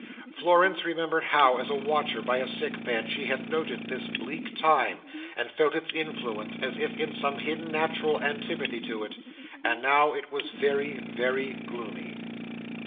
Florence remembered how, as a watcher, by a sick bed, she had noted this bleak time, and felt its influence, as if in some hidden natural antipathy to it; and now it was very, very gloomy.